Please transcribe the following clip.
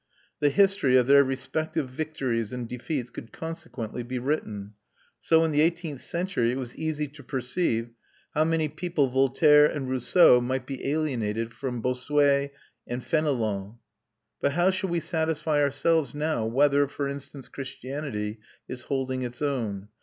The history of their respective victories and defeats could consequently be written. So in the eighteenth century it was easy to perceive how many people Voltaire and Rousseau might be alienating from Bossuet and Fénelon. But how shall we satisfy ourselves now whether, for instance, Christianity is holding its own?